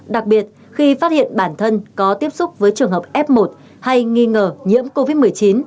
đặc biệt khi phát hiện bản thân có tiếp xúc với trường hợp f một hay nghi ngờ nhiễm covid một mươi chín